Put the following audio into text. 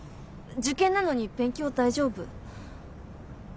受験なのに勉強大丈夫？